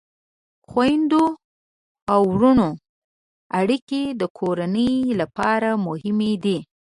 د خویندو او ورونو اړیکې د کورنۍ لپاره مهمې دي.